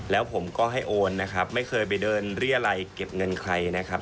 แล้วผมก็ให้โอนนะครับไม่เคยไปเดินเรียรัยเก็บเงินใครนะครับ